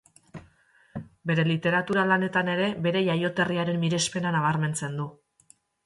Bere literatura-lanetan ere bere jaioterriaren mirespena nabarmentzen du.